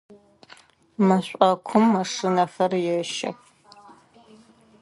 Мэшӏокум машинэхэр ещэх.